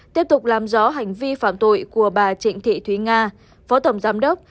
tiếp tục làm rõ hành vi phạm tội của bà trịnh thị thúy nga phó tổng giám đốc